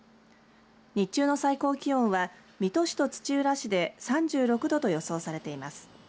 日中の最高気温は水戸市と土浦市で３６度と予想されています。